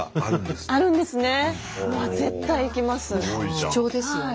貴重ですよね。